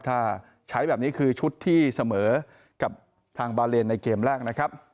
ถ้าใช้แบบนี้คือชุดที่เสมอกับทางบาเลนในเกมแรกนะครับ